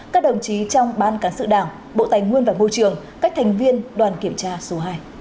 các đồng chí trong ban cán sự đảng bộ tài nguyên và môi trường các thành viên đoàn kiểm tra số hai